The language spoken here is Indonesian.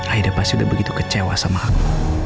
akhirnya pasti udah begitu kecewa sama aku